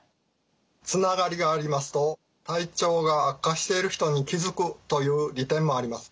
つながりがありますと体調が悪化している人に気づくという利点もあります。